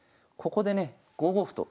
ここでね５五歩と。